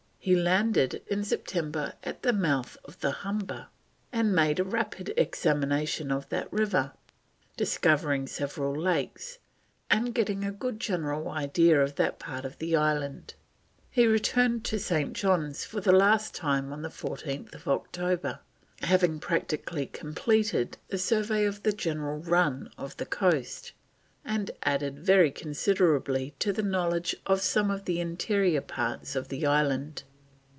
He landed in September at the mouth of the Humber, and made a rapid examination of that river, discovering several lakes, and getting a good general idea of that part of the island. He returned to St. John's for the last time on 14th October, having practically completed the survey of the general run of the coast, and added very considerably to the knowledge of some of the interior parts of the island.